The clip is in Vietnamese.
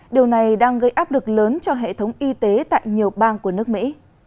điều này đang gây áp lực lớn cho hệ thống y tế tại nhiều bang của nước mỹ